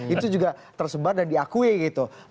itu juga tersebar dan diakui gitu